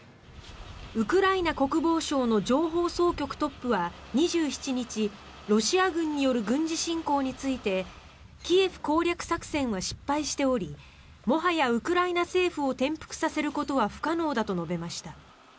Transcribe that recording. ウクライナ国防省の情報総局トップは２７日ロシア軍による軍事侵攻についてキエフ攻略作戦は失敗しておりもはやウクライナ政府を転覆させることは不可能だと述べました。